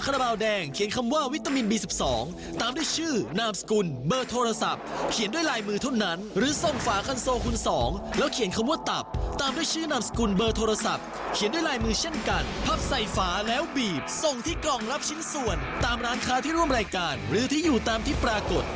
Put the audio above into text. ราบาลแดงเขียนคำว่าวิตามินบี๑๒ตามด้วยชื่อนามสกุลเบอร์โทรศัพท์เขียนด้วยลายมือเท่านั้นหรือส่งฝาคันโซคุณสองแล้วเขียนคำว่าตับตามด้วยชื่อนามสกุลเบอร์โทรศัพท์เขียนด้วยลายมือเช่นกันพับใส่ฝาแล้วบีบส่งที่กล่องรับชิ้นส่วนตามร้านค้าที่ร่วมรายการหรือที่อยู่ตามที่ปรากฏ